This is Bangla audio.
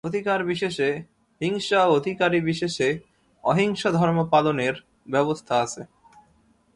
অধিকারিবিশেষে হিংসা ও অধিকারিবিশেষে অহিংসা-ধর্মপালনের ব্যবস্থা আছে।